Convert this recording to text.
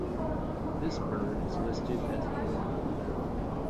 This bird is listed as vulnerable.